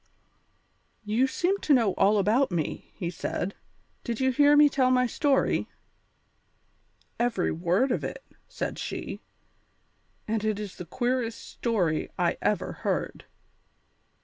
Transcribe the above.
"You seem to know all about me," he said; "did you hear me tell my story?" "Every word of it," said she, "and it is the queerest story I ever heard.